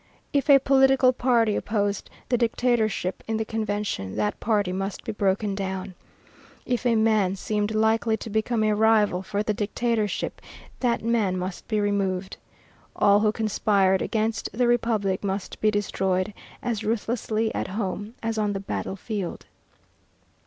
If a political party opposed the Dictatorship in the Convention, that party must be broken down; if a man seemed likely to become a rival for the Dictatorship, that man must be removed; all who conspired against the Republic must be destroyed as ruthlessly at home as on the battle field.